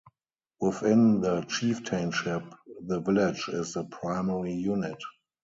Within the chieftainship the village is the primary unit.